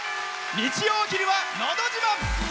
日曜お昼は「のど自慢」。